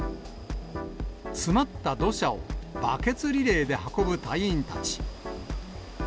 詰まった土砂をバケツリレーで運ぶ隊員たち。